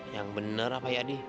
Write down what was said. yang bener apa ya ini